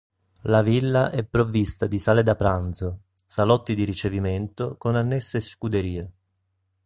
La villa è provvista di sale da pranzo, salotti di ricevimento, con annesse scuderie.